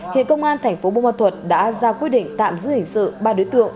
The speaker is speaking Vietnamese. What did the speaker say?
hiện công an thành phố bô mò thuật đã ra quyết định tạm giữ hình sự ba đối tượng